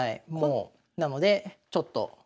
なのでちょっと。